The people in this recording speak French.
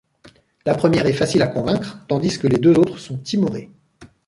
La première est facile à convaincre tandis que les deux autres sont timorées.